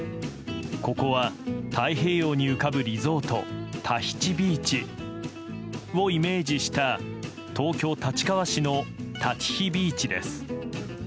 ここは太平洋に浮かぶリゾートタヒチビーチ。をイメージした東京・立川市のタチヒビーチです。